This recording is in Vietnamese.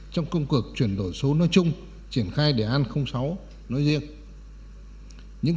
trong công cuộc chuyển đổi số nói chung triển khai đề án sáu nói riêng